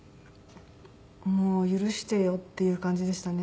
もう許してよっていう感じでしたね